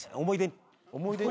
思い出。